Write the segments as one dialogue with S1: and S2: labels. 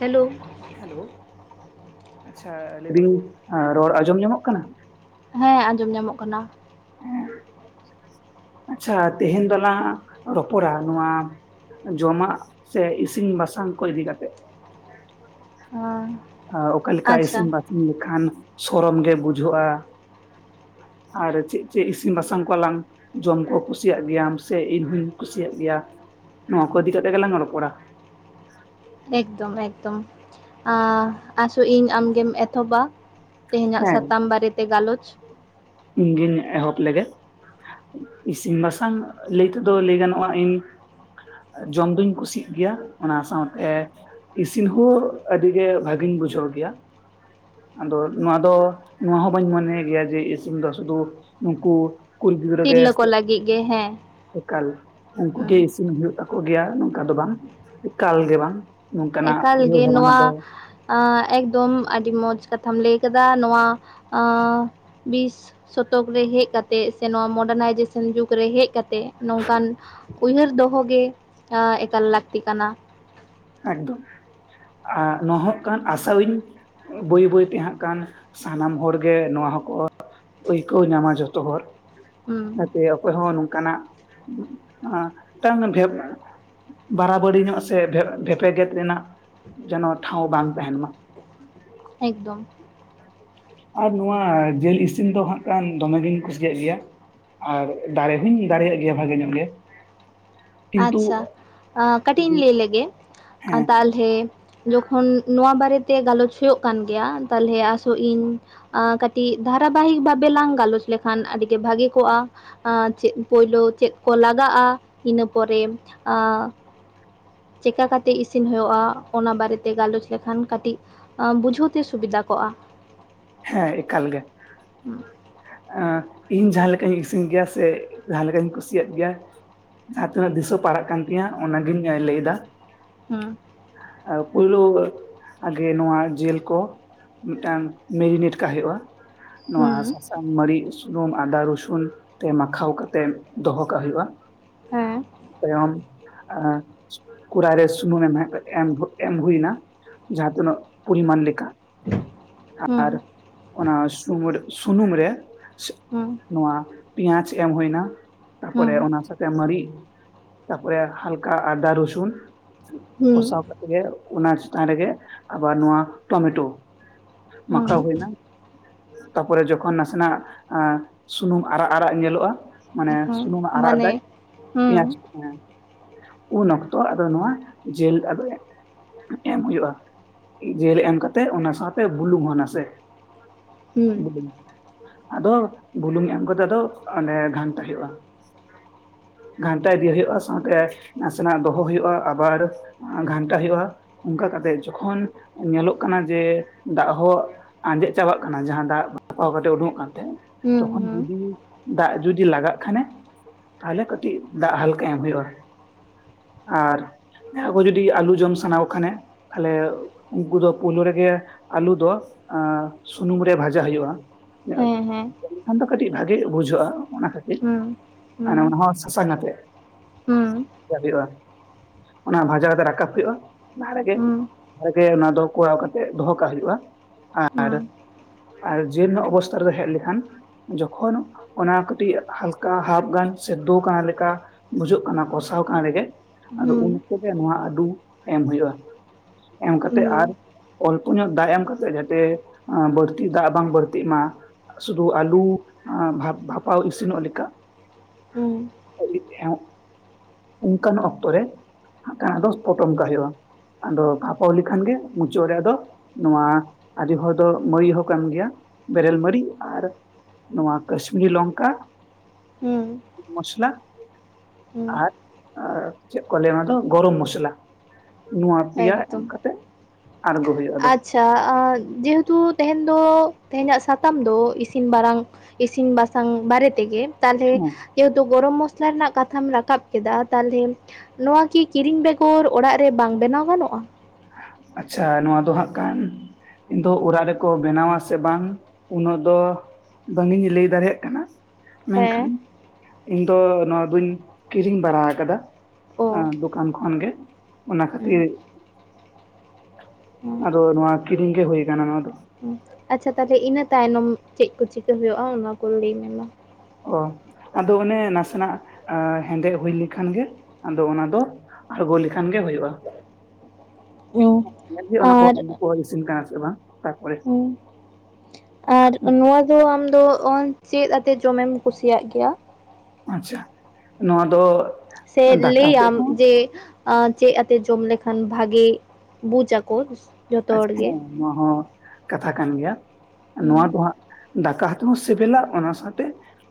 S1: Hello,
S2: hello, ᱟᱪᱪᱷᱟ ᱞᱟᱹᱭᱫᱟᱹᱧ ᱨᱚᱲ ᱟᱸᱡᱚᱢ ᱧᱟᱢᱚᱜ ᱠᱟᱱᱟ?
S1: ᱦᱮᱸ, ᱟᱸᱡᱚᱢ ᱧᱟᱢᱚᱜ ᱠᱟᱱᱟ᱾
S2: ᱟᱪᱪᱷᱟ ᱛᱮᱦᱮᱧ ᱫᱚᱞᱟᱝ ᱨᱚᱯᱚᱲᱟ ᱱᱚᱣᱟ᱾ ᱡᱚᱢᱟᱜ ᱥᱮ ᱤᱥᱤᱱ ᱵᱟᱥᱟᱝ ᱠᱚ ᱤᱫᱤ ᱠᱟᱛᱮᱫ᱾
S1: ᱦᱮᱸ
S2: ᱚᱠᱟ ᱞᱮᱠᱟ ᱤᱥᱤᱱ ᱵᱟᱥᱟᱝ ᱞᱮᱠᱷᱟᱱ ᱥᱚᱨᱚᱢ ᱜᱮ ᱵᱩᱡᱷᱟᱹᱜᱼᱟ? ᱟᱨ ᱪᱮᱫ ᱪᱮᱫ ᱤᱥᱤᱱ ᱵᱟᱥᱟᱝ ᱠᱚᱣᱟᱞᱟᱝ ᱡᱚᱢ ᱠᱚ ᱠᱩᱥᱤᱭᱟᱜ ᱜᱮᱭᱟᱢ ᱥᱮ ᱤᱧᱦᱩᱧ ᱠᱩᱥᱤᱭᱟᱜ ᱜᱮᱭᱟ ᱱᱚᱣᱟ ᱠᱚ ᱤᱫᱤ ᱠᱟᱛᱮᱜ ᱜᱮᱞᱟᱝ ᱨᱚᱯᱚᱲᱟ᱾
S1: ᱮᱠᱫᱚᱢ ᱮᱠᱫᱚᱢ ᱟᱥᱚᱜ ᱤᱧ ᱟᱢᱜᱮᱢ ᱮᱛᱚᱦᱚᱵ-ᱟ᱾ ᱛᱮᱦᱮᱧᱟᱜ ᱥᱟᱛᱟᱢ ᱵᱟᱨᱮᱛᱮ ᱜᱟᱞᱚᱪ᱾
S2: ᱤᱧ ᱜᱤᱧ ᱮᱦᱚᱵ ᱞᱮ ᱜᱮ, ᱤᱥᱤᱱ ᱵᱟᱥᱟᱝ ᱞᱟᱹᱭ ᱛᱮᱫᱚ ᱞᱟᱹᱭ ᱜᱟᱱᱚᱜᱼᱟ ᱤᱧ ᱡᱚᱢ ᱫᱩᱧ ᱠᱩᱥᱤᱜ ᱜᱮᱭᱟ, ᱚᱱᱟ ᱥᱟᱶᱛᱮ ᱤᱥᱤᱱ ᱦᱚᱸ ᱟᱹᱰᱤ ᱜᱮ ᱵᱷᱟᱜᱮᱧ ᱵᱩᱡᱷᱟᱹᱣ ᱜᱮᱭᱟ᱾ ᱟᱫᱚ ᱱᱚᱣᱟ ᱫᱚ ᱱᱚᱣᱟ ᱦᱚᱸ ᱵᱟᱹᱧ ᱢᱚᱱᱮ ᱜᱮᱭᱟ ᱡᱮ ᱤᱥᱤᱱ ᱫᱚ ᱥᱩᱫᱩ ᱱᱩᱠᱩ ᱠᱩᱲᱤ ᱜᱤᱫᱽᱨᱟᱹ
S1: ᱛᱤᱨᱞᱟᱹ
S2: ᱜᱮ
S1: ᱠᱚ ᱞᱟᱹᱜᱤᱫ ᱜᱮ ᱦᱮᱸ,
S2: ᱮᱠᱟᱞ ᱩᱱᱠᱩ ᱜᱮ
S1: ᱦᱩᱸ,
S2: ᱤᱥᱤᱱ ᱦᱩᱭᱩᱜ ᱛᱟᱠᱚ ᱜᱮᱭᱟ ᱱᱚᱝᱠᱟ ᱫᱚ ᱵᱟᱝ ᱮᱠᱟᱞ ᱜᱮ ᱵᱟᱝ᱾ ᱱᱚᱝᱠᱟᱱᱟᱜ
S1: ᱮᱠᱟᱞ
S2: ᱩᱭᱦᱟᱹᱨ
S1: ᱜᱮ
S2: ᱵᱷᱟᱵᱱᱟ
S1: ᱱᱚᱣᱟ
S2: ᱫᱚ
S1: ᱟᱸ ᱮᱜᱫᱚᱢ ᱟᱹᱰᱤ ᱢᱚᱡᱽ ᱠᱟᱛᱷᱟᱢ ᱞᱟᱹᱭ ᱠᱟᱫᱟ ᱱᱚᱣᱟ ᱟᱸ ᱵᱤᱥ ᱥᱚᱛᱚᱠ ᱨᱮ ᱦᱮᱡ ᱠᱟᱛᱮᱜ ᱥᱮ ᱱᱚᱭᱟ ᱢᱚᱰᱟᱱᱟᱭᱡᱮᱥᱚᱱ ᱡᱩᱜᱽ ᱨᱮ ᱦᱮᱡ ᱠᱟ ᱛᱮ ᱱᱚᱝᱠᱟᱱ ᱩᱭᱦᱟᱹᱨ ᱫᱚᱦᱚᱜ ᱜᱮ ᱟᱸ ᱮᱠᱟᱞ ᱞᱟᱹᱠᱛᱤ ᱠᱟᱱᱟ᱾
S2: ᱮᱜᱫᱚᱢ ᱟᱨ ᱱᱚᱦᱚᱜ ᱠᱟᱱ ᱟᱥᱟᱹᱤᱧ ᱵᱟᱹᱭ ᱵᱟᱹᱭ ᱛᱮ ᱦᱟᱸᱜ ᱠᱟᱱ ᱥᱟᱱᱟᱢ ᱦᱚᱨᱜᱮ ᱱᱚᱣᱟ ᱦᱚᱸᱠᱚ ᱟᱹᱭᱠᱟᱹᱣ ᱧᱟᱢᱟ ᱡᱚᱛᱚ ᱦᱚᱲ᱾
S1: ᱦᱩᱸ᱾
S2: ᱦᱮ ᱡᱮ ᱚᱠᱚᱭ ᱦᱚᱸ ᱱᱚᱝᱠᱟᱱᱟᱜ ᱟᱸ ᱢᱤᱫᱴᱟᱝ ᱰᱷᱮ ᱵᱟᱨᱟᱵᱟᱨᱤ ᱧᱚᱜ ᱥᱮ ᱵᱷᱮ ᱵᱷᱮᱯᱮᱜᱮᱫ ᱨᱮᱱᱟᱜ ᱡᱮᱱᱚ ᱴᱷᱟᱶ ᱵᱟᱝ ᱛᱟᱦᱮᱱ ᱢᱟ᱾
S1: ᱮᱜᱫᱚᱢ᱾
S2: ᱟᱨ ᱱᱚᱣᱟ ᱡᱮᱞ ᱤᱥᱤᱱ ᱫᱚ ᱦᱟᱸᱜ ᱠᱷᱟᱱ ᱫᱚᱢᱮᱜᱤᱧ ᱠᱩᱥᱤᱭᱟᱜ ᱜᱮᱭᱟ᱾ ᱟᱨ ᱫᱟᱲᱮ ᱦᱩᱧ ᱫᱟᱲᱮᱭᱟᱜ ᱜᱮᱭᱟ ᱵᱷᱟᱜᱮ ᱧᱚᱜ ᱜᱮ᱾ ᱠᱤᱱᱛᱩ
S1: ᱟᱪᱷᱟ ᱟᱸ ᱠᱟᱹᱴᱤᱡ ᱤᱧ ᱞᱟᱹᱭ ᱞᱮᱜᱮ
S2: ᱦᱮᱸ
S1: ᱛᱟ ᱦᱮᱸ ᱡᱚᱠᱷᱚᱱ ᱱᱚᱣᱟ ᱵᱟᱨᱮ ᱛᱮ ᱜᱟᱞᱚᱪ ᱦᱩᱭᱩᱜ ᱠᱟᱱ ᱜᱮᱭᱟ ᱛᱟᱞᱚᱞᱮ ᱟᱥᱚᱜ ᱤᱧ᱾ ᱟᱸ ᱠᱟᱹᱴᱤᱡ ᱫᱷᱟᱨᱟ ᱵᱟᱦᱤᱠ ᱵᱷᱟᱵᱮ ᱞᱟᱝ ᱜᱟᱞᱚᱪ ᱞᱮᱠᱷᱟᱱ ᱟᱹᱰᱤ ᱜᱮ ᱵᱷᱟᱜᱮ ᱠᱚᱜᱼᱟ᱾ ᱟᱸ ᱪᱮᱫ ᱯᱳᱭᱞᱳ ᱪᱮᱫ ᱠᱚ ᱞᱟᱜᱟᱜᱼᱟ ᱤᱱᱟᱹ ᱯᱚᱨᱮ ᱟᱸ ᱪᱮᱠᱟ ᱠᱟᱛᱮ ᱤᱥᱤᱱ ᱦᱳᱭᱩᱜᱼᱟ ᱚᱱᱟ ᱵᱟᱨᱮᱛᱮ ᱜᱟᱞᱚᱪ ᱞᱮᱠᱷᱟᱱ ᱠᱟᱹᱴᱤᱡ᱾ ᱟᱸ ᱵᱩᱡᱷᱟᱹᱣ ᱛᱮ ᱥᱩᱵᱤᱫᱟ ᱠᱚᱜᱼᱟ᱾
S2: ᱦᱮᱸ ᱮᱠᱟᱞ ᱜᱮ᱾
S1: ᱦᱩᱸ
S2: ᱮᱸ ᱤᱧ ᱡᱟᱸᱦᱟ ᱞᱮᱠᱟᱧ ᱤᱥᱤᱱ ᱜᱮᱭᱟ ᱥᱮ ᱡᱟᱸᱦᱟ ᱞᱮᱠᱟᱧ ᱠᱩᱥᱤᱭᱟᱜ ᱜᱮᱭᱟ, ᱡᱟᱦᱟᱸ ᱛᱤᱱᱟᱹᱜ ᱫᱤᱥᱟᱹ ᱯᱟᱲᱟᱜ ᱠᱟᱱ ᱛᱤᱧᱟᱹ ᱚᱱᱟᱜᱤᱧ ᱞᱟᱹᱭ ᱫᱟ᱾
S1: ᱦᱩᱸ᱾
S2: ᱯᱳᱭᱞᱩ ᱟᱜᱮ ᱱᱚᱣᱟ ᱡᱤᱞ ᱠᱚ ᱢᱤᱫᱴᱟᱝ ᱢᱮᱨᱤᱱᱮᱴ ᱠᱟᱜ ᱦᱩᱭᱩᱜᱼᱟ ᱱᱚᱣᱟ
S1: ᱦᱩᱸ,
S2: ᱥᱟ ᱥᱟᱝ ᱢᱟᱹᱨᱤᱪ ᱥᱩᱱᱩᱢ ᱟᱸᱫᱟ ᱨᱩᱥᱩᱱ ᱛᱮ ᱢᱟᱠᱷᱟᱣ ᱠᱟᱛᱮ ᱫᱚᱦᱚ ᱠᱟᱜ ᱦᱩᱭᱩᱜᱼᱟ᱾
S1: ᱦᱮᱸ᱾
S2: [unintelligible] ᱟᱸ ᱠᱚᱨᱟᱭ ᱨᱮ ᱥᱩᱱᱩᱢ ᱮᱢ ᱮᱢ ᱦᱩᱭᱱᱟ ᱡᱟᱦᱟᱸ ᱛᱤᱱᱟᱹᱜ ᱯᱚᱨᱤᱢᱟᱱ ᱞᱮᱠᱟ,
S1: ᱦᱩᱸ
S2: ᱟᱨ ᱚᱱᱟ ᱥᱩᱢᱟᱹᱨ ᱥᱩᱱᱩᱢ ᱨᱮ
S1: ᱦᱩᱸ᱾
S2: ᱱᱚᱣᱟ ᱯᱮᱸᱭᱟᱡ ᱮᱢ ᱦᱩᱭᱱᱟ
S1: ᱦᱩᱸ
S2: ᱛᱟᱯᱚᱨᱮ ᱚᱱᱟ ᱥᱟᱶ ᱛᱮ ᱢᱟᱹᱨᱤᱪ ᱛᱟᱯᱚᱨᱮ ᱦᱟᱞᱠᱟ ᱟᱫᱟ, ᱨᱩᱥᱩᱱ
S1: ᱦᱩᱸ
S2: ᱠᱚᱥᱟᱣ ᱠᱟᱛᱮᱜ ᱜᱮ ᱚᱱᱟ ᱪᱮᱛᱟᱱ ᱨᱮᱜᱮ ᱟᱵᱟᱨ ᱱᱚᱣᱟ ᱴᱚᱢᱮᱴᱳ
S1: ᱦᱩᱸ
S2: ᱢᱟᱠᱷᱟᱣ ᱦᱩᱭᱱᱟ ᱛᱟᱯᱚᱨᱮ ᱡᱚᱠᱷᱚᱱ ᱱᱟᱥᱮᱱᱟᱜ ᱟᱸ ᱥᱩᱱᱩᱢ ᱟᱨᱟᱜ ᱟᱨᱟᱜ ᱧᱮᱞᱚᱜᱼᱟ, ᱢᱟᱱᱮ
S1: ᱦᱩᱸ
S2: ᱥᱩᱱᱩᱢ ᱮ ᱟᱨᱟᱜ
S1: ᱢᱟᱱᱮ
S2: ᱫᱟᱭ
S1: ᱦᱩᱸ
S2: ᱯᱮᱸᱭᱟᱪ ᱦᱮᱸ ᱩᱱ ᱚᱠᱛᱚ ᱟᱫᱚ ᱱᱚᱣᱟ ᱡᱮᱞ ᱟᱫᱚ ᱮᱢ ᱦᱩᱭᱩᱜᱼᱟ ᱡᱤᱞ ᱮᱢ ᱠᱟᱛᱮᱜ ᱚᱱᱟ ᱥᱟᱶᱛᱮ ᱵᱩᱞᱩᱝ ᱦᱚᱸ ᱱᱟᱥᱮ
S1: ᱦᱩᱸ
S2: ᱵᱩᱞᱩᱝ ᱟᱫᱚ ᱵᱩᱞᱩᱝ ᱮᱢ ᱠᱟᱛᱮ ᱟᱫᱚ ᱚᱸᱱᱰᱮ ᱜᱷᱟᱱᱴᱟ ᱦᱩᱭᱩᱜᱼᱟ᱾ ᱜᱷᱟᱱᱴᱟ ᱤᱫᱤ ᱦᱳᱭᱳᱜᱼᱟ ᱥᱟᱶᱛᱮ ᱱᱟᱥᱮᱱᱟᱜ ᱫᱚᱦᱚ ᱦᱳᱭᱚᱜᱼᱟ, ᱟᱵᱟᱨ ᱟᱸ ᱜᱷᱟᱱᱴᱟ ᱦᱩᱭᱩᱜᱼᱟ ᱚᱱᱠᱟ ᱠᱟᱛᱮ ᱡᱚᱠᱷᱚᱱ ᱧᱮᱞᱚᱜ ᱠᱟᱱᱟ ᱡᱮ ᱫᱟᱜ ᱦᱚᱸ ᱟᱸᱡᱮᱫ ᱪᱟᱵᱟᱜ ᱠᱟᱱᱟ ᱡᱟᱦᱟᱸ ᱫᱟᱜ ᱵᱷᱟᱯᱟᱣ ᱠᱟᱛᱮ ᱩᱰᱩᱝᱼᱚᱜ ᱠᱟᱱ ᱛᱟᱦᱮᱸ
S1: ᱦᱩᱸ
S2: ᱛᱚᱠᱷᱚᱱ
S1: ᱦᱩᱸ
S2: ᱡᱩᱫᱤ ᱫᱟᱜ ᱡᱩᱫᱤ ᱞᱟᱜᱟᱜ ᱠᱷᱟᱱᱮ ᱛᱟᱦᱚᱞᱮ ᱠᱟᱹᱴᱤᱡ ᱫᱟᱜ ᱦᱟᱞᱠᱟ ᱮᱢ ᱦᱩᱭᱩᱜᱭᱼᱟ᱾ ᱟᱨ ᱡᱟᱦᱟᱭ ᱠᱚ ᱡᱩᱫᱤ ᱟᱹᱞᱩ ᱡᱚᱢ ᱥᱟᱱᱟ ᱠᱚ ᱠᱷᱟᱱᱮ ᱛᱟᱦᱚᱞᱮ ᱩᱱᱠᱩ ᱫᱚ ᱯᱳᱭᱞᱳ ᱨᱮᱜᱮ ᱟᱹᱞᱩ ᱫᱚ ᱟᱸ ᱥᱩᱱᱩᱢ ᱨᱮ ᱵᱷᱟᱡᱟ ᱦᱩᱭᱩᱜᱼᱟ᱾
S1: ᱦᱮᱸ ᱦᱮᱸ᱾
S2: ᱟᱫᱚ ᱠᱟᱹᱴᱤᱡ ᱵᱷᱟᱜᱤ ᱵᱩᱡᱷᱟᱹᱜᱼᱟ ᱚᱱᱟ ᱠᱷᱟᱹᱛᱤᱨ
S1: ᱦᱩᱸ
S2: ᱚᱱᱮ
S1: ᱦᱩᱸ
S2: ᱚᱱᱟ ᱦᱚᱸ ᱥᱟᱥᱟᱝ ᱟᱛᱮᱫ᱾
S1: ᱦᱩᱸ
S2: ᱡᱟ ᱦᱩᱭᱩᱜᱼᱟ ᱚᱱᱟ ᱵᱷᱟᱡᱟ ᱠᱟᱛᱮ ᱨᱟᱠᱟᱵ ᱦᱩᱭᱩᱜᱼᱟ ᱞᱟᱦᱟ
S1: ᱦᱩᱸ ᱦᱩᱸ
S2: ᱨᱮᱜᱮ ᱚᱱᱟ ᱫᱚ ᱠᱚᱨᱟᱣ ᱠᱟᱛᱮ ᱫᱚᱦᱚ ᱠᱟᱜ ᱦᱩᱭᱩᱜᱼᱟ ᱟᱨ,
S1: ᱦᱩᱸ
S2: ᱟᱨ ᱡᱤᱞ ᱨᱮᱱᱟᱜ ᱚᱵᱚᱥᱛᱟ ᱨᱮᱫᱚ ᱦᱮᱡ ᱞᱮᱠᱷᱟᱱ ᱡᱚᱠᱷᱚᱱ ᱚᱱᱟ ᱠᱟᱹᱴᱤᱡ ᱦᱟᱞᱠᱟ ᱦᱟᱯ ᱜᱟᱱ ᱥᱮ ᱫᱳ ᱠᱟᱱᱟ ᱞᱮᱠᱟ ᱵᱩᱡᱷᱟᱹᱜ ᱠᱟᱱᱟ ᱠᱚᱥᱟᱣ ᱠᱟᱱ ᱨᱮᱜᱮ ᱟᱫᱚ
S1: ᱦᱩᱸ
S2: ᱩᱱ ᱚᱠᱛᱚᱜ ᱜᱮ ᱱᱚᱣᱟ ᱟᱰᱩ ᱮᱢ ᱦᱩᱭᱩᱜᱼᱟ᱾ ᱮᱢ ᱠᱟᱛᱮᱜ
S1: ᱦᱩᱸ
S2: ᱟᱨ ᱩᱸᱧᱚ ᱫᱟᱜ ᱮᱢ ᱠᱟᱛᱮᱜ ᱡᱟᱛᱮ ᱟᱸ ᱵᱟᱹᱲᱛᱤ ᱫᱟᱜ ᱵᱟᱝ ᱵᱟᱹᱲᱛᱤᱜ ᱢᱟ, ᱥᱩᱫᱷᱩ ᱟᱞᱩ ᱵᱷᱟᱯ ᱵᱷᱟᱯᱟᱣ ᱤᱥᱤᱱᱚᱜ ᱞᱮᱠᱟ, [inaudible] ᱦᱮᱸᱜ ᱚᱱᱠᱟᱱ ᱚᱠᱛᱚ ᱨᱮ, [unintelligible] ᱯᱚᱴᱚᱢ ᱠᱟᱜ ᱦᱩᱭᱩᱜᱼᱟ ᱟᱫᱚ ᱵᱷᱟᱯᱟᱣ ᱞᱮᱠᱷᱟᱱ ᱜᱮ ᱢᱩᱪᱟᱹᱫ ᱨᱮ ᱟᱫᱚ ᱱᱚᱣᱟ ᱟᱹᱰᱤ ᱦᱚᱲ ᱫᱚ ᱢᱟᱹᱭᱤ ᱦᱚᱸ ᱠᱟᱱ ᱜᱮᱭᱟ ᱵᱮᱨᱮᱞ ᱢᱟᱨᱤᱡ ᱟᱨ ᱱᱚᱣᱟ ᱠᱟᱥᱢᱤᱨᱤ ᱞᱚᱝᱠᱟ
S1: ᱦᱩᱸ
S2: ᱢᱚᱥᱞᱟ
S1: ᱦᱩᱸ
S2: ᱟᱨ ᱪᱮᱫ ᱠᱚ ᱞᱟᱹᱭᱟ ᱚᱱᱟ ᱫᱚ ᱜᱚᱨᱚᱢ ᱢᱚᱥᱞᱟ, ᱱᱚᱣᱟ ᱯᱮᱭᱟ ᱮᱢ
S1: ᱮᱠᱫᱚᱢ
S2: ᱠᱟᱛᱮᱜ ᱟᱬᱜᱚ ᱦᱩᱭᱩᱜᱼᱟ᱾ ᱟᱫᱚ
S1: ᱟᱪᱪᱷᱟ ᱟ ᱡᱮᱦᱮᱛᱩ ᱛᱮᱦᱮᱧ ᱫᱚ ᱛᱮᱦᱮᱧᱟᱜ ᱥᱟᱛᱟᱢ ᱫᱚ ᱤᱥᱤᱱ ᱵᱟᱨᱟᱝ ᱤᱥᱤᱱ ᱵᱟᱥᱟᱝ ᱵᱟᱨᱮ ᱛᱮᱜᱮ ᱛᱟᱦᱞᱮ
S2: ᱦᱮᱸ
S1: ᱡᱮᱦᱮᱛᱩ ᱜᱚᱨᱚᱢ ᱢᱚᱥᱞᱟ ᱨᱮᱱᱟᱜ ᱠᱟᱛᱷᱟᱢ ᱨᱟᱠᱟᱵ ᱠᱮᱫᱟ ᱛᱟᱦᱚᱞᱮ ᱱᱚᱣᱟ ᱠᱤ ᱠᱤᱨᱤᱧ ᱵᱮᱜᱚᱨ ᱚᱲᱟᱜ ᱨᱮ ᱵᱟᱝ ᱵᱮᱱᱟᱣ ᱜᱟᱱᱚᱜᱼᱟ?
S2: ᱟᱪᱪᱷᱟ ᱱᱚᱣᱟ ᱫᱚ ᱦᱟᱸᱜ ᱠᱟᱱ ᱠᱤᱱᱛᱩ ᱚᱲᱟᱜ ᱨᱮᱠᱚ ᱵᱮᱱᱟᱣᱟ ᱥᱮ ᱵᱟᱝ ᱩᱱᱟᱹᱜ ᱫᱚ ᱵᱟᱝᱤᱧ ᱞᱟᱹᱭ ᱫᱟᱲᱮᱭᱟᱜ ᱠᱟᱱᱟ,
S1: ᱦᱮᱸ
S2: ᱢᱮᱱᱠᱷᱟᱱ ᱤᱧ ᱫᱚ ᱱᱚᱣᱟ ᱫᱩᱧ ᱠᱤᱨᱤᱝ ᱵᱟᱲᱟ ᱟᱠᱟᱫᱟ ᱾ ᱟᱸ
S1: ᱚ
S2: ᱫᱚᱠᱟᱱ ᱠᱷᱚᱱ ᱜᱮ ᱚᱱᱟ
S1: ᱦᱩᱸ
S2: ᱠᱷᱟᱹᱛᱤᱨ
S1: ᱦᱩᱸ
S2: ᱟᱫᱚ ᱱᱚᱣᱟ ᱠᱤᱨᱤᱧ ᱜᱮ ᱦᱚᱭ ᱟᱠᱟᱱᱟ ᱱᱚᱣᱟ ᱫᱚ ᱾
S1: ᱦᱩᱸ ᱟᱪᱪᱷᱟ ᱛᱟᱦᱚᱞᱮ ᱤᱱᱟᱹ ᱛᱟᱭᱱᱚᱢ ᱪᱮᱫ ᱠᱚ ᱦᱩᱭᱩᱜᱼᱟ ᱠᱚ ᱞᱟᱹᱭ ᱢᱮ ᱢᱟ?
S2: ᱚ, ᱟᱫᱚ ᱚᱱᱮ ᱱᱟᱥᱮᱱᱟᱜ ᱟᱸ ᱦᱮᱸᱫᱮᱜ ᱦᱩᱭ ᱞᱮᱠᱷᱟᱱ ᱜᱮ ᱟᱫᱚ ᱚᱱᱟ ᱫᱚ ᱟᱬᱜᱚ ᱞᱮᱠᱷᱟᱱ ᱜᱮ ᱦᱩᱭᱩᱜᱼᱟ ᱧᱮᱞ ᱦᱩᱭᱩᱜᱼᱟ ᱚᱱᱟ ᱠᱚ
S1: ᱟᱨ
S2: [inaudible] ᱤᱥᱤᱱ ᱠᱟᱱᱟ ᱥᱮ ᱵᱟᱝ ᱛᱟᱯᱚᱨᱮ
S1: ᱦᱩᱸ ᱟᱨ ᱱᱚᱣᱟ ᱫᱚ ᱟᱢᱫᱚ ᱚᱸ ᱪᱮᱫ ᱟᱛᱮᱫ ᱡᱚᱢᱮᱢ ᱠᱩᱥᱤᱭᱟᱜ ᱜᱮᱭᱟ?
S2: ᱟᱪᱪᱷᱟ, ᱱᱚᱣᱟ ᱫᱚ
S1: ᱥᱮ
S2: ᱫᱟᱠᱟ ᱟᱛᱮᱫ
S1: ᱞᱟᱹᱭᱟᱢ
S2: ᱦᱚᱸ
S1: ᱡᱮ ᱟᱸ ᱪᱮᱫ ᱟᱛᱮ ᱡᱚᱢ ᱞᱮᱠᱷᱟᱱ ᱵᱷᱟᱜᱮ ᱵᱩᱡ ᱟᱠᱚ? ᱡᱚᱛᱚ
S2: ᱦᱮᱸ
S1: ᱦᱚᱲ ᱜᱮ
S2: ᱱᱚᱣᱟ ᱦᱚᱸ ᱠᱟᱛᱷᱟ ᱠᱟᱱ ᱜᱮᱭᱟ, ᱱᱚᱣᱟ
S1: ᱦᱩᱸ
S2: ᱫᱚ ᱦᱟᱸᱜ ᱫᱟᱠᱟ ᱛᱮᱦᱚᱸ ᱥᱮᱵᱮᱞᱟ ᱚᱱᱟ ᱥᱟᱶᱛᱮ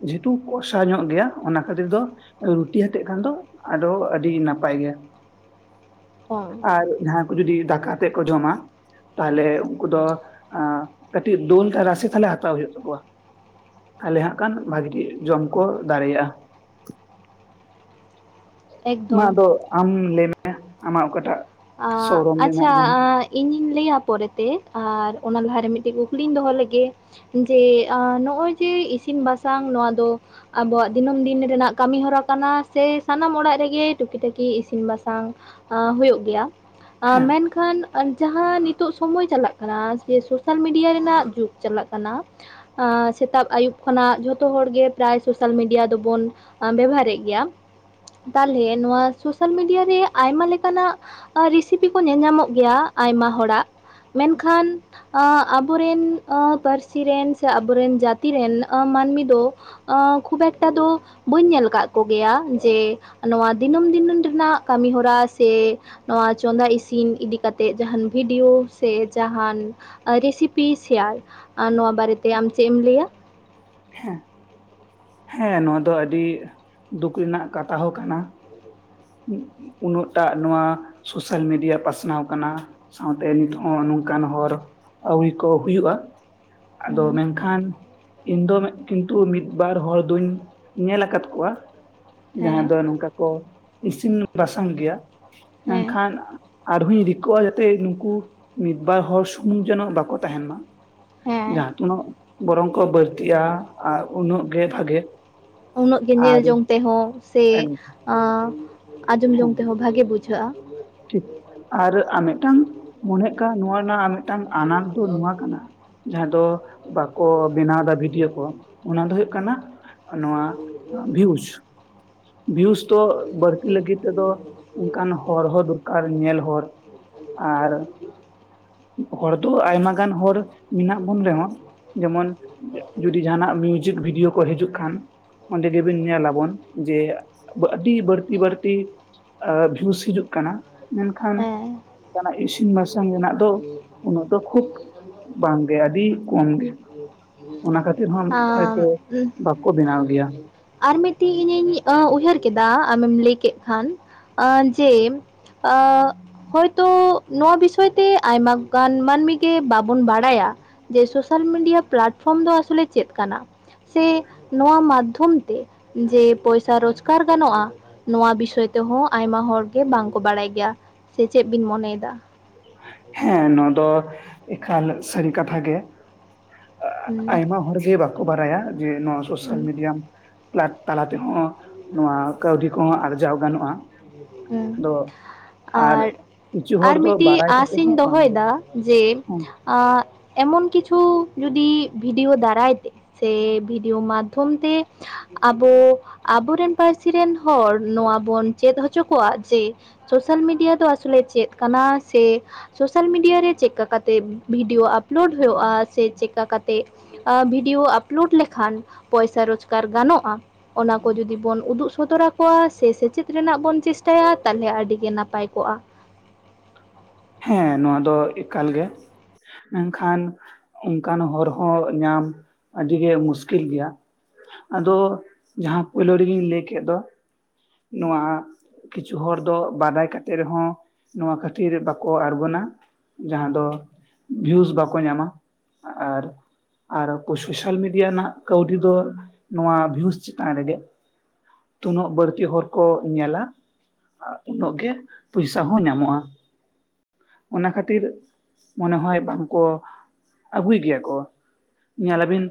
S2: ᱡᱮᱦᱮᱛᱩ ᱠᱚᱥᱟ ᱧᱚᱜ ᱜᱮᱭᱟ ᱚᱱᱟ ᱠᱷᱟᱹᱛᱤᱨ ᱫᱚ ᱨᱩᱴᱤ ᱦᱟᱛᱮᱜ ᱠᱷᱟᱱ ᱫᱚ ᱟᱫᱚ ᱟᱹᱰᱤ ᱱᱟᱯᱟᱭ ᱜᱮᱭᱟ
S1: ᱦᱚᱸ
S2: ᱾ ᱟᱨ ᱡᱟᱦᱟᱸ ᱠᱚ ᱡᱩᱫᱤ ᱫᱟᱠᱟ ᱟᱛᱮᱜ ᱠᱚ ᱡᱚᱢᱟ, ᱛᱟᱦᱚᱞᱮ ᱩᱱᱠᱩ ᱫᱚ ᱟᱸ ᱠᱟᱹᱴᱤᱡ ᱫᱚᱞ ᱛᱮ ᱨᱟᱥᱮ ᱛᱟᱦᱚᱞᱮ ᱦᱟᱛᱟᱣ ᱦᱩᱭᱩᱜ ᱛᱟᱠᱚᱣᱟ ᱾ ᱛᱟᱦᱚᱞᱮ ᱦᱟᱸᱜ ᱠᱷᱟᱱ ᱵᱷᱟᱜᱤ ᱴᱷᱤᱠ ᱡᱚᱢ ᱠᱚ ᱫᱟᱲᱮᱭᱟᱜᱼᱟ ᱾ ᱢᱟ
S1: ᱮᱠᱫᱚᱢ
S2: ᱟᱫᱚ ᱟᱢ ᱞᱟᱹᱭᱢᱮ ᱟᱢᱟᱜ ᱚᱠᱟᱴᱟᱜ
S1: ᱟᱸ
S2: ᱥᱚᱨᱚᱢ ᱨᱮᱱᱟᱜ
S1: ᱟᱪᱪᱷᱟᱻ
S2: ᱡᱤᱱᱤᱥ?
S1: ᱤᱧᱤᱧ ᱞᱟᱹᱭᱟ ᱯᱚᱨᱮᱛᱮ ᱟᱨ ᱚᱱᱟ ᱞᱟᱦᱟᱨᱮ ᱢᱤᱫᱴᱮᱱ ᱠᱩᱠᱞᱤᱧ ᱫᱚᱦᱚ ᱞᱮᱜᱮ ᱾ ᱡᱮ ᱟᱸ ᱱᱚᱜᱼᱚᱭ ᱡᱮ ᱤᱥᱤᱱ ᱵᱟᱥᱟᱝ ᱱᱚᱣᱟ ᱫᱚ ᱟᱵᱚᱣᱟᱜ ᱫᱤᱱᱟᱹᱢ ᱫᱤᱱ ᱨᱮᱱᱟᱜ ᱠᱟᱹᱢᱤ ᱦᱚᱨᱟ ᱠᱟᱱᱟ ᱥᱮ ᱥᱟᱱᱟᱢ ᱚᱲᱟᱜ ᱨᱮᱜᱮ ᱴᱩᱠᱤᱴᱟᱠᱤ ᱤᱥᱤᱱ ᱵᱟᱥᱟᱝ ᱟᱸ ᱦᱩᱭᱩᱜ ᱜᱮᱭᱟ ᱾ ᱟᱸ
S2: ᱦᱮᱸ
S1: ᱢᱮᱱ ᱠᱷᱟᱱ ᱡᱟᱦᱟᱸ ᱱᱤᱛᱚᱜ ᱥᱚᱢᱚᱭ ᱪᱟᱞᱟᱜ ᱠᱟᱱᱟ ᱥᱮ ᱥᱳᱥᱟᱞ ᱢᱤᱰᱤᱭᱟ ᱨᱮᱱᱟᱜ ᱡᱩᱜᱽ ᱪᱟᱞᱟᱜ ᱠᱟᱱᱟ, ᱟᱸ ᱥᱮᱛᱟᱜ ᱟᱹᱭᱩᱵ ᱠᱷᱚᱱᱟᱜ ᱡᱷᱚᱛᱚ ᱦᱚᱲᱜᱮ ᱯᱨᱟᱭ ᱥᱳᱥᱟᱞ ᱢᱤᱰᱤᱭᱟ ᱫᱚᱵᱚᱱ ᱵᱮᱵᱚᱦᱟᱨᱮᱫ ᱜᱮᱭᱟ ᱛᱟᱞᱦᱮ ᱱᱚᱣᱟ ᱥᱳᱥᱟᱞ ᱢᱤᱰᱤᱭᱟ ᱨᱮ ᱟᱭᱢᱟ ᱞᱮᱠᱟᱱᱟᱜ ᱟᱨ ᱨᱮᱥᱤᱯᱤ ᱠᱚ ᱧᱮᱞ ᱧᱟᱢᱚᱜ ᱜᱮᱭᱟ ᱟᱭᱢᱟ ᱦᱚᱲᱟᱜ ᱾ ᱢᱮᱱᱠᱷᱟᱱ ᱟᱸ ᱟᱵᱚᱨᱮᱱ ᱟᱸ ᱯᱟᱹᱨᱥᱤ ᱨᱮᱱ ᱥᱮ ᱟᱵᱚᱨᱮᱱ ᱡᱟᱹᱛᱤ ᱨᱮᱱ ᱟᱸ ᱢᱟᱹᱱᱢᱤ ᱫᱚ ᱟᱸ ᱠᱷᱩᱵ ᱮᱠᱴᱟ ᱫᱚ ᱵᱟᱹᱧ ᱧᱮᱞ ᱟᱠᱟᱫ ᱠᱚᱜᱮᱭᱟ ᱡᱮ ᱱᱚᱣᱟ ᱫᱤᱱᱟᱹᱢ ᱫᱤᱤᱱᱹᱢ ᱨᱮᱱᱟᱜ ᱠᱟᱹᱢᱤ ᱦᱚᱨᱟ ᱥᱮ ᱱᱚᱣᱟ ᱪᱚᱸᱫᱟ ᱤᱥᱤᱱ ᱤᱫᱤ ᱠᱟᱛᱮᱫ ᱡᱟᱦᱟᱱ ᱵᱷᱤᱰᱤᱭᱳ ᱥᱮ ᱡᱟᱦᱟᱱ ᱨᱤᱥᱤᱯᱤ ᱥᱮᱭᱟᱞ ᱱᱚᱣᱟ ᱵᱟᱨᱮᱛᱮ ᱟᱢ ᱪᱮᱫ ᱮᱢ ᱞᱟᱹᱭᱟ?
S2: ᱦᱮᱸ ᱾ ᱦᱮᱸ ᱱᱚᱣᱟ ᱫᱚ ᱟᱹᱰᱤ ᱫᱩᱠ ᱨᱮᱱᱟᱜ ᱠᱟᱛᱷᱟ ᱦᱚᱸ ᱠᱟᱱᱟ ᱾ ᱩ-ᱩ-ᱩᱱᱟᱹᱜᱴᱟᱜ ᱱᱚᱣᱟ ᱥᱳᱥᱟᱞ ᱢᱤᱰᱤᱭᱟ ᱯᱟᱥᱱᱟᱣ ᱠᱟᱱᱟ ᱾ ᱥᱟᱶᱛᱮ ᱱᱤᱛ ᱦᱚᱸ ᱱᱚᱝᱠᱟᱱ ᱦᱚᱨ ᱟᱹᱣᱨᱤ ᱠᱚ ᱦᱩᱭᱩᱜᱼᱟ ᱾ ᱟᱫᱚ
S1: ᱦᱮᱸ
S2: ᱢᱮᱱᱠᱷᱟᱱ ᱤᱧᱫᱚ ᱢᱮᱫ ᱠᱤᱱᱛᱩ ᱢᱤᱫ ᱵᱟᱨ ᱦᱚᱲ ᱫᱩᱧ ᱧᱮᱞ ᱟᱠᱟᱫ ᱠᱚᱣᱟ ᱡᱟᱦᱟᱸᱭ
S1: ᱦᱮᱸ
S2: ᱫᱚ ᱱᱚᱝᱠᱟ ᱠᱚ ᱤᱥᱤᱱ ᱵᱟᱥᱟᱝ ᱜᱮᱭᱟ,
S1: ᱦᱮᱸ
S2: ᱢᱮᱱᱠᱷᱟᱱ ᱟᱨᱦᱚᱧ ᱨᱤᱠᱟᱹᱣᱟ ᱡᱟᱛᱮ ᱱᱩᱠᱩ ᱢᱤᱫ ᱵᱟᱨ ᱦᱚᱲ ᱥᱩᱢᱩᱝ ᱡᱮᱱᱚ ᱵᱟᱠᱚ ᱛᱟᱦᱮᱱ ᱢᱟ᱾
S1: ᱦᱮᱸ
S2: ᱡᱟᱦᱟᱸ ᱛᱩᱱᱟᱹᱜ ᱵᱚᱨᱚᱝ ᱠᱚ ᱵᱟᱹᱲᱛᱤᱜ-ᱟ, ᱩᱱᱳᱜ ᱜᱮ ᱵᱷᱟᱜᱮ᱾
S1: ᱩᱱᱳᱜ ᱜᱮ ᱧᱮᱞ
S2: ᱟᱨ
S1: ᱡᱚᱝ ᱛᱮᱦᱚᱸ ᱥᱮ
S2: ᱦᱮᱸ
S1: ᱟ ᱟᱸᱡᱚᱢ ᱡᱚᱝ ᱛᱮᱦᱚᱸ ᱵᱷᱟᱜᱮ ᱵᱩᱡᱷᱟᱹᱜ-ᱟ᱾
S2: ᱴᱷᱤᱠ ᱟᱨ ᱟᱨ ᱢᱤᱫᱴᱟᱝ ᱢᱚᱱᱮ ᱦᱳᱭᱳᱜ ᱠᱟᱱᱟ, ᱱᱚᱣᱟ ᱨᱮᱱᱟᱜ ᱟᱨ ᱢᱤᱫᱴᱟᱝ ᱟᱱᱟᱴ ᱫᱚ ᱱᱚᱣᱟ ᱠᱟᱱᱟ ᱡᱟᱦᱟᱸ ᱫᱚ ᱵᱟᱠᱚ ᱵᱮᱱᱟᱣ ᱫᱟ ᱵᱷᱤᱰᱭᱳ ᱠᱚ, ᱚᱱᱟ ᱫᱚ ᱦᱩᱭᱩᱜ ᱠᱟᱱᱟ᱾ ᱱᱚᱣᱟ ᱵᱷᱤᱭᱩᱡᱽ᱾ ᱵᱷᱤᱭᱩᱥ ᱛᱚ ᱵᱟᱹᱲᱛᱤ ᱞᱟᱹᱜᱤᱫ ᱛᱮᱫᱚ ᱩᱝᱠᱟᱱ ᱦᱚᱨ ᱦᱚᱸ ᱫᱚᱨᱠᱟᱨ ᱧᱮᱞ ᱦᱚᱨ᱾ ᱟᱨ ᱦᱚᱲ ᱫᱚ ᱟᱭᱢᱟ ᱜᱟᱱ ᱦᱚᱲ ᱢᱮᱱᱟᱜ ᱵᱚᱱ ᱨᱮᱦᱚᱸ ᱡᱮᱢᱚᱱ ᱡᱩᱫᱤ ᱡᱟᱦᱱᱟᱜ ᱢᱤᱭᱩᱡᱤᱠ ᱵᱷᱤᱰᱭᱳ ᱠᱚ ᱦᱤᱡᱩᱜ ᱠᱷᱟᱱ, ᱚᱸᱰᱮ ᱜᱮᱵᱤᱱ ᱧᱮᱞᱟᱵᱚᱱ᱾ ᱡᱮ ᱟᱹᱰᱤ ᱵᱟᱹᱲᱛᱤ ᱵᱟᱹᱲᱛᱤ ᱵᱷᱤᱭᱩᱥ ᱦᱤᱡᱩᱜ ᱠᱟᱱᱟ᱾ ᱢᱮᱱᱠᱷᱟᱱ
S1: ᱦᱮᱸ
S2: ᱡᱟᱦᱱᱟᱜ ᱤᱥᱤᱱ ᱵᱟᱥᱟᱝ ᱨᱮᱱᱟᱜ ᱫᱚ ᱩᱱᱟᱹᱜ ᱫᱚ ᱠᱷᱩᱵ ᱵᱟᱝ ᱜᱮ ᱟ. ᱰᱤ ᱠᱚᱢ ᱜᱮ᱾ ᱚᱱᱟ ᱠᱷᱟᱹᱛᱤᱨ ᱦᱚᱸ ᱦᱚᱭᱛᱳ
S1: ᱟᱸ
S2: ᱵᱟᱠᱚ ᱵᱮᱱᱟᱣ ᱜᱮᱭᱟ᱾
S1: ᱟᱨ ᱢᱤᱫᱴᱤᱡ ᱤᱧᱤᱧ ᱩᱭᱦᱟᱹᱨ ᱠᱮᱫᱟ, ᱟᱢᱮᱢ ᱞᱟᱹᱭ ᱠᱮᱫ ᱠᱷᱟᱱ ᱡᱮ ᱟ ᱦᱳᱭᱛᱳ ᱱᱚᱣᱟ ᱵᱤᱥᱚᱭ ᱛᱮ ᱟᱭᱢᱟᱟᱜᱟᱱ ᱢᱟᱹᱱᱢᱤ ᱜᱮ ᱵᱟᱵᱚᱱ ᱵᱟᱲᱟᱭᱟ᱾ ᱡᱮ ᱥᱳᱥᱟᱞ ᱢᱤᱰᱤᱭᱟ ᱯᱞᱟᱴᱯᱷᱨᱚᱢ ᱫᱚ ᱟᱥᱚᱞᱮ ᱪᱮᱫ ᱠᱟᱱᱟ᱾ ᱥᱮ ᱱᱚᱣᱟ ᱢᱟᱫᱽᱫᱷᱚᱢ ᱛᱮ ᱡᱮ ᱯᱚᱭᱥᱟ ᱨᱚᱪᱠᱟᱨ ᱜᱟᱱᱚᱜ-ᱟ᱾ ᱱᱚᱣᱟ ᱵᱤᱥᱚᱭ ᱛᱮᱦᱚᱸ ᱟᱭᱢᱟ ᱦᱚᱲᱜᱮ ᱵᱟᱝᱠᱚ ᱵᱟᱲᱟᱭ ᱜᱮᱭᱟ, ᱥᱮ ᱪᱮᱫ ᱵᱤᱱ ᱢᱚᱱᱮᱭᱮᱫᱟ?
S2: ᱦᱮᱸ, ᱱᱚᱣᱟ ᱫᱚ ᱮᱠᱷᱟᱞ ᱥᱟᱹᱨᱤ ᱠᱟᱛᱷᱟ ᱜᱮ᱾
S1: ᱦᱩᱸ
S2: ᱟᱭᱢᱟ ᱦᱚᱲᱜᱮ ᱵᱟᱠᱚ ᱵᱟᱨᱟᱭᱟ ᱡᱮ ᱱᱚᱣᱟ ᱥᱳᱥᱟᱞ
S1: ᱦᱩᱸ
S2: ᱢᱤᱰᱤᱭᱟᱢ ᱞᱟᱠ ᱛᱟᱲᱟ ᱛᱮᱦᱚᱸ ᱱᱚᱣᱟ ᱠᱟᱹᱣᱰᱤ ᱠᱚᱦᱚᱸ ᱟᱨᱡᱟᱣ ᱜᱟᱱᱚᱜ-ᱟ᱾
S1: ᱦᱩᱸ
S2: ᱫᱚ ᱟᱨ ᱠᱤᱪᱷᱩ ᱦᱚᱲ ᱫᱚ ᱵᱟᱨᱟᱭ
S1: ᱥᱤᱧ ᱫᱚᱦᱚᱭᱮᱫᱟ ᱡᱮ ᱟ ᱮᱢᱚᱱ ᱠᱤᱪᱷᱩ ᱡᱩᱫᱤ ᱵᱷᱤᱰᱤᱭᱳ ᱫᱟᱨᱟᱭ ᱛᱮ ᱥᱮ ᱵᱷᱤᱰᱤᱭᱳ ᱢᱟᱫᱽᱫᱷᱚᱢ ᱛᱮ᱾ ᱟᱵᱚ ᱟᱵᱚᱨᱮᱱ ᱯᱟᱨᱥᱤ ᱨᱮᱱ ᱦᱚᱲ ᱱᱚᱣᱟ ᱵᱚᱱ ᱪᱮᱫ ᱦᱚ ᱪᱚ ᱠᱚᱣᱟ ᱡᱮ ᱥᱳᱥᱟᱞ ᱢᱤᱰᱤᱭᱟ ᱫᱚ ᱟᱥᱚᱞᱮ ᱪᱮᱫ ᱠᱟᱱᱟ ᱥᱮ ᱥᱳᱥᱟᱞ ᱢᱤᱰᱤᱭᱟ ᱨᱮ ᱪᱮᱫᱠᱟ ᱠᱟᱛᱮᱫ ᱵᱷᱤᱰᱭᱳ ᱟᱯᱞᱳᱰ ᱦᱳᱭᱳᱜ-ᱟ ᱥᱮ ᱪᱮᱫᱠᱟ ᱠᱟᱛᱮᱫ ᱵᱷᱤᱰᱤᱭᱳ ᱟᱯᱞᱳᱰ ᱞᱮᱠᱷᱟᱱ, ᱯᱚᱭᱥᱟ ᱨᱚᱪᱠᱟᱨ ᱜᱟᱱᱚᱜ-ᱟ᱾ ᱚᱱᱟ ᱠᱚ ᱡᱩᱫᱤ ᱵᱚᱱ ᱩᱫᱩᱜ ᱥᱚᱫᱚᱨ ᱟᱠᱚᱣᱟ ᱥᱮᱪᱮᱫ ᱨᱮᱱᱟᱜ ᱵᱚᱱ ᱪᱮᱥᱴᱟᱭᱟ ᱛᱟᱦᱞᱮ ᱟᱹᱰᱤ ᱜᱮ ᱱᱟᱯᱟᱭ ᱠᱚᱜ-ᱟ᱾
S2: ᱦᱮᱸ, ᱱᱚᱣᱟ ᱫᱚ ᱮᱠᱟᱞ ᱜᱮ, ᱮᱱᱠᱷᱟᱱ ᱚᱱᱠᱟᱱ ᱦᱚᱨ ᱦᱚᱸ ᱧᱟᱢ ᱟᱹᱰᱤᱜᱮ ᱢᱩᱥᱠᱤᱞ ᱜᱤᱭᱟ᱾ ᱟᱫᱚ ᱡᱟᱦᱟᱸ ᱯᱳᱭᱞᱳ ᱨᱮᱜᱤᱧ ᱞᱟᱹᱭ ᱠᱮᱱ ᱫᱚ᱾ ᱱᱚᱣᱟ ᱠᱤᱪᱷᱩ ᱦᱚᱲ ᱫᱚ ᱵᱟᱰᱟᱭ ᱠᱟᱛᱮ ᱨᱮᱦᱚᱸ ᱱᱚᱣᱟ ᱠᱷᱟᱹᱛᱤᱨ ᱵᱟᱠ ᱠᱚ ᱟᱬᱜᱚᱱᱟ ᱡᱟᱦᱟᱸ ᱫᱚ ᱵᱷᱤᱭᱩᱥ ᱵᱟᱠᱚ ᱧᱟᱢᱟ ᱟᱨ ᱟᱨ ᱥᱳᱥᱟᱞ ᱢᱤᱰᱤᱭᱟ ᱨᱮᱱᱟᱜ ᱠᱟᱹᱣᱰᱤ ᱫᱚ ᱱᱚᱣᱟ ᱵᱷᱤᱭᱩᱥ ᱪᱮᱛᱟᱱ ᱨᱮᱜᱮ᱾ ᱛᱤᱱᱳᱜ ᱵᱟᱨᱛᱤ ᱦᱚᱲ ᱠᱚ ᱧᱮᱞᱟ᱾ ᱟᱨ ᱩᱱᱳᱜ ᱜᱮ ᱯᱩᱭᱥᱟ ᱦᱚᱸ ᱧᱟᱢᱚᱜ-ᱟ᱾ ᱚᱱᱟ ᱠᱷᱟᱛᱤᱨ ᱢᱚᱱᱮ ᱦᱚᱭ ᱵᱟᱝᱠᱚ ᱟᱜᱩᱭ ᱜᱮᱭᱟ ᱠᱚ ᱧᱮᱞᱟᱵᱤᱱ᱾